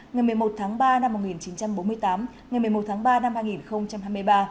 ngày một mươi một tháng ba năm một nghìn chín trăm bốn mươi tám ngày một mươi một tháng ba năm hai nghìn hai mươi ba